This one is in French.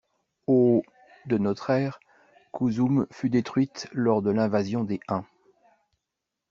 Au de notre ère, Cusum fut détruite lors de l'invasion des Huns.